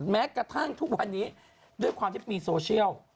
แม้กระทั่งทุกวันนี้ด้วยความที่มีโซเชียล